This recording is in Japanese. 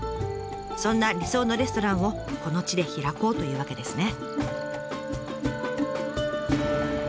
そんな理想のレストランをこの地で開こうというわけですね。